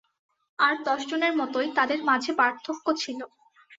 আর দশজনের মতোই, তাদের মাঝে পার্থক্য ছিল।